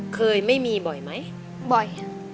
เคยไม่มีบ่อยไหมอเรนนี่บ่อย